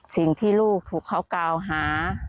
สิ่งที่ลูกถูกเขากล่าวหา